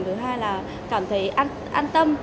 thứ hai là cảm thấy an tâm